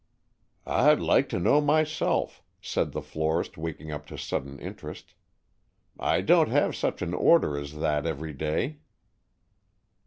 "I'd like to know myself," said the florist, waking up to sudden interest. "I don't have such an order as that every day."